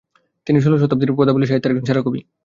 তিনি ষোল শতকের পদাবলী সাহিত্যের একজন সেরা কবি।